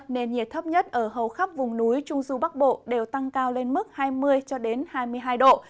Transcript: nền nhiệt thấp nhất ở hầu khắp vùng núi trung du bắc bộ đều tăng cao lên mức hai mươi hai mươi hai độ